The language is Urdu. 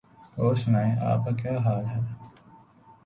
اور سنائیں آپ کا کیا حال ہے؟